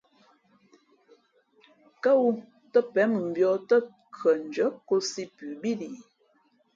Kά wū tά pěn mʉmbīᾱ tά khʉᾱndʉ́ά kōsī pʉ bíí li ?